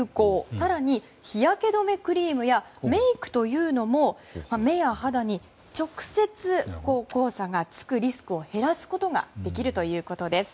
更に、日焼け止めクリームやメイクというのも目や肌に直接黄砂がつくリスクを減らすことができるということです。